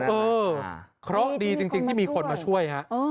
เออเคราะห์ดีจริงที่มีคนมาช่วยฮะ